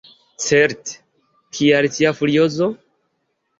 Certe; kial tia furiozo?